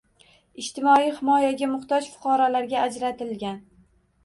Ijtimoiy himoyaga muhtoj fuqarolarga ajratilgan